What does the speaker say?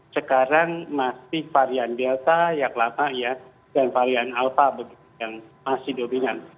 sekarang masih varian delta yang lama ya dan varian alpha begitu yang masih dominan